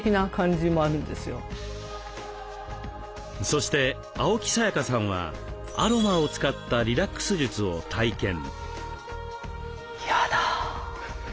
そして青木さやかさんはアロマを使ったリラックス術を体験。